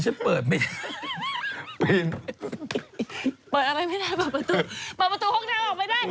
เราก็ขึ้นไปนั่งยองบนโถส้วมอ่ะ